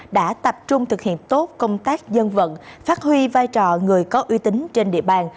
đã tập trung thực hiện tốt công tác dân vận phát huy vai trò người có uy tín trên địa bàn